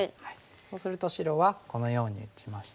そうすると白はこのように打ちまして。